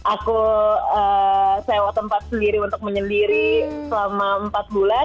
aku sewa tempat sendiri untuk menyendiri selama empat bulan